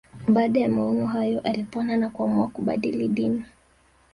Baada ya maono hayo alipona na kuamua kubadili dini